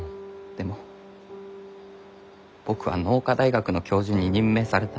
でも僕は農科大学の教授に任命された。